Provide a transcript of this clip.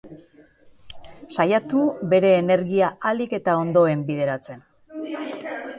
Saiatu bere energia ahalik eta ondoen bideratzen.